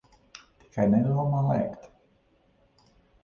Tikai nedomā lēkt.